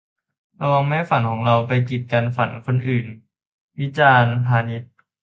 'ระวังไม่ให้ฝันของเรา ไปกีดกันฝันคนอื่น' - วิจารณ์ พานิช